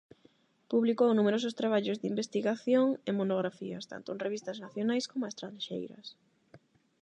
Publicou numerosos traballos de investigación e monografías tanto en revistas nacionais coma estranxeiras.